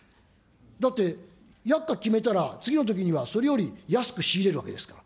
だって薬価決めたら、次のときにはそれより安く仕入れるわけですから。